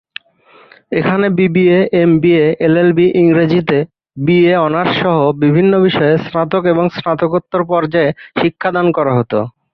এখানে BBA, MBA, LLB, ইংরেজিতে BA honours সহ বিভিন্ন বিষয়ে স্নাতক এবং স্নাতকোত্তর পর্যায়ে শিক্ষা দান করা হত।